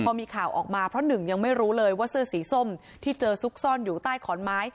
พอมีข่าวออกมาเพราะหนึ่งยังไม่รู้เลยว่าเสื้อสีส้มที่เจอซุกซ่อนอยู่ใต้ขอนไม้